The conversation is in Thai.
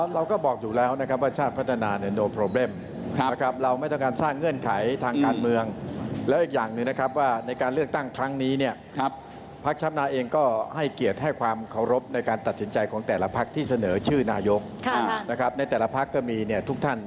เราก็บอกจุดแล้วนะครับว่าชาติพัฒนาเนี่ย